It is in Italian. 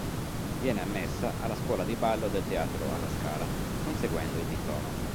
Viene ammessa alla Scuola di Ballo del Teatro alla Scala conseguendo il Diploma.